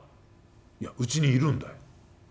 「いやうちにいるんだよ」。